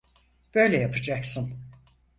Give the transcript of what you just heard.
Böyle yapacaksın.